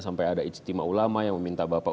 sampai ada ijtima ulama yang meminta bapak